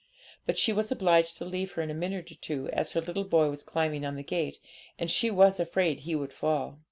But she was obliged to leave her in a minute or two, as her little boy was climbing on the gate, and she was afraid he would fall.